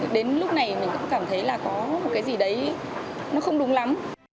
đến lúc này mình cũng cảm thấy là có một cái gì đấy nó không đúng lắm